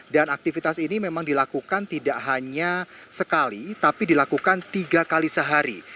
dan aktivitas ini memang dilakukan tidak hanya sekali tapi dilakukan tiga kali sehari